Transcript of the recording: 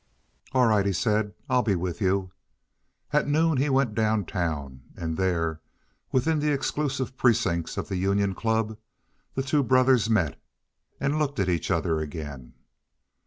"All right," he said, "I'll be with you." At noon he went down town, and there, within the exclusive precincts of the Union Club, the two brothers met and looked at each other again.